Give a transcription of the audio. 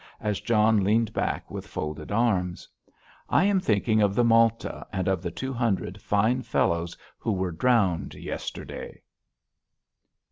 as John leaned back with folded arms. "I am thinking of the Malta and of the two hundred fine fellows who were drowned yesterday."